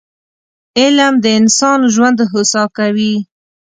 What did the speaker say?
علم د انسان ژوند هوسا کوي